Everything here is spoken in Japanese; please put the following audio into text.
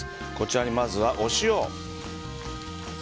こちらにまずはお塩。